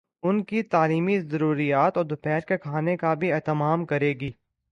ان کی تعلیمی ضروریات اور دوپہر کے کھانے کا بھی اہتمام کریں گی۔